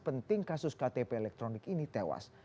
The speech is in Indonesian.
penting kasus ktp elektronik ini tewas